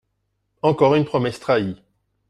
Encore une promesse trahie